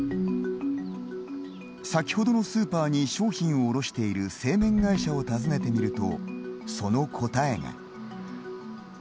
先ほどのスーパーに商品を卸している製麺会社を訪ねてみると、その答えが。